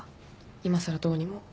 いまさらどうにも。